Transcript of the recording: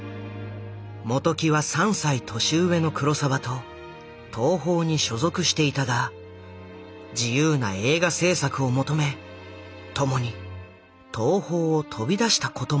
本木は３歳年上の黒澤と東宝に所属していたが自由な映画製作を求め共に東宝を飛び出したこともあった。